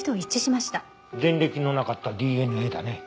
前歴のなかったＤＮＡだね。